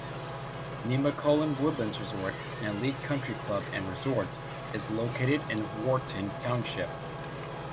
Nemacolin Woodlands Resort, an elite country club and resort, is located in Wharton Township.